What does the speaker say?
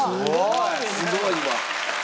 すごいわ。